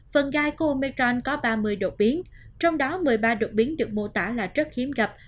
phần gai cumern có ba mươi đột biến trong đó một mươi ba đột biến được mô tả là rất hiếm gặp